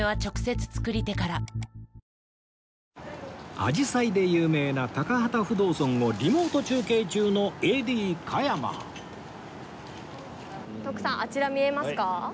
紫陽花で有名な高幡不動尊をリモート中継中の ＡＤ 加山徳さんあちら見えますか？